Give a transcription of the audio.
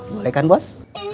boleh kan bos